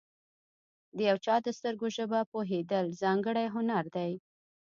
د یو چا د سترګو ژبه پوهېدل، ځانګړی هنر دی.